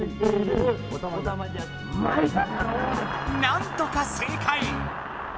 なんとか正解！